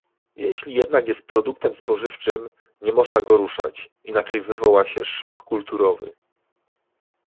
Jeśli jednak jest produktem spożywczym, nie można go ruszać, inaczej wywoła się szok kulturowy